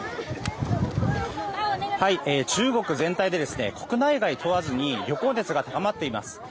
中国全体で国内外問わずに旅行熱が高まっています。